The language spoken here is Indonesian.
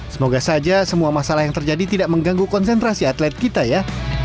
semoga saja semua masalah yang terjadi tidak mengganggu konsentrasi atlet kita ya